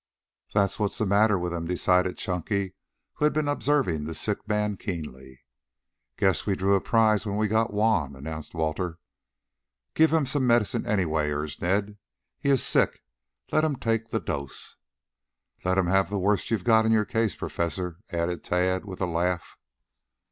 "That's what's the matter with him," decided Chunky, who had been observing the sick man keenly. "Guess we drew a prize when we got Juan," announced Walter. "Give him some medicine, anyway," urged Ned. "He is sick let him take the dose." "Let him have the worst you've got in your case, Professor," added Tad, with a laugh.